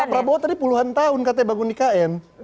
pak prabowo tadi puluhan tahun katanya bangun ikn